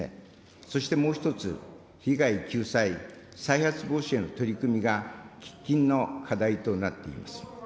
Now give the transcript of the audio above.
そして、もう１つ、被害救済再発防止への取り組みが喫緊の課題となっています。